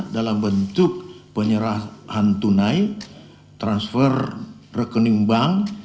dalam bentuk penyerahan tunai transfer rekening bank